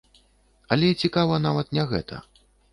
Але цікава нават не гэта.